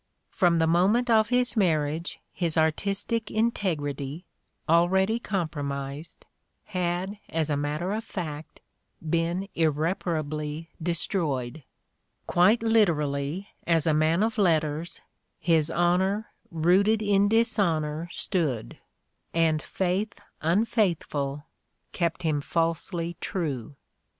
From the moment of his marriage his artistic integrity, already compromised, had, as a matter of fact, been irreparably destroyed: quite literally, as a man of letters, his honor rooted in dishonor stood and faith unfaithful kept him falsely true.